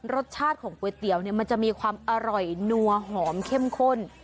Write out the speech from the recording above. รสชาติของก๋วยเตี๋ยวเนี่ยมันจะมีความอร่อยนัวหอมเข้มข้น